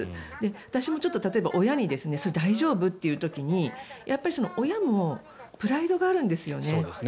私も例えば親に大丈夫？と言う時にやっぱり親もプライドがあるんですよね。